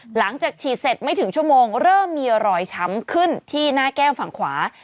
หลังจากฉีดเสร็จไม่ถึงชั่วโมงเริ่มมีรอยช้ำขึ้นที่หน้าแก้มฝั่งขวา